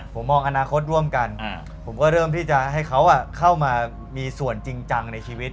ผมมองอนาคตร่วมกันผมก็เริ่มที่จะให้เขาเข้ามามีส่วนจริงจังในชีวิต